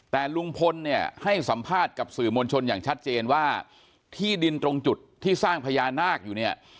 แต่ลุงพลเนี่ยให้สัมภาษณ์กับสื่อมวลชนอย่างชัดเจนว่าที่ดินตรงจุดที่สร้างพญานาคอยู่เนี่ย